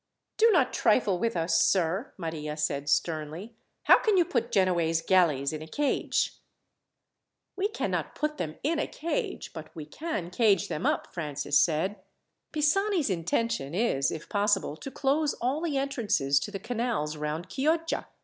"Do not trifle with us, sir," Maria said sternly. "How can you put Genoese galleys in a cage?" "We cannot put them in a cage, but we can cage them up," Francis said. "Pisani's intention is, if possible, to close all the entrances to the canals round Chioggia.